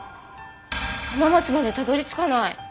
浜松までたどり着かない。